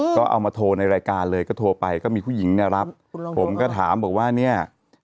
ก็เอามาโทรในรายการเลยก็โทรไปก็มีผู้หญิงเนี่ยรับผมก็ถามบอกว่าเนี่ย